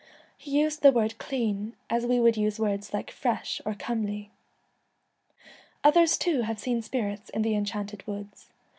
He used the word clean as we would use words like fresh or comely. Others too have seen spirits in the En chanted Woods.